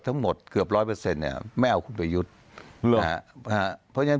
ทั้งหมดเกือบร้อยเปอร์เซ็นต์เนี่ยไม่เอาคุณประยุทธ์เพราะฉะนั้น